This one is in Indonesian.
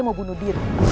mau bunuh diri